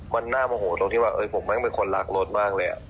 มันน่าโมโหตรงที่ว่าผมมั้งเป็นคนรักรถมากเลย